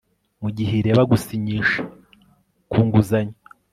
mugihe ireba gusinyisha ku nguzanyo